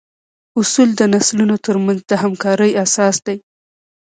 اصول د نسلونو تر منځ د همکارۍ اساس دي.